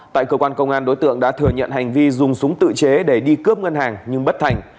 tại cơ quan công an đối tượng đã thừa nhận hành vi dùng súng tự chế để đi cướp ngân hàng nhưng bất thành